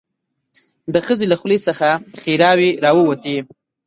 د ښځې له خولې څخه ښيراوې راووتې.